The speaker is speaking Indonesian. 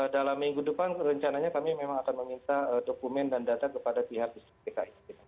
dalam minggu depan rencananya kami akan meminta dokumen dan data kepada pihak distrik di ki